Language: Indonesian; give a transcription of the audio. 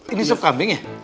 ini sup kambing ya